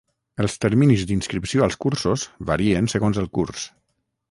Els terminis d'inscripció als cursos varien segons el curs.